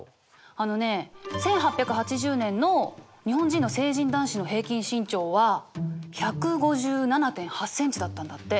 あのね１８８０年の日本人の成人男子の平均身長は１５７．８ｃｍだったんだって。